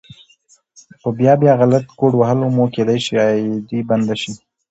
په بيا بيا غلط کوډ وهلو مو کيدی شي آئيډي بنده شي